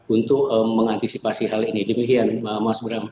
untuk mengantisipasi hal ini demikian mas bram